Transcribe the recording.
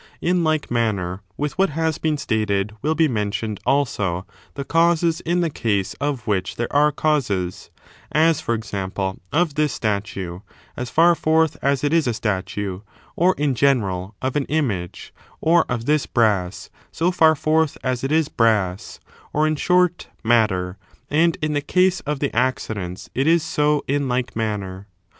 In like manner with what has been stated will be mentioned, also, the causes in the case of which there are causes ; as, for example, of this statue, as far forth as it is a statue, or, in general, of an image, or of this brass, so far forth as it is brass, or, in short, matter; and in the case of the accidents it is so in like manner.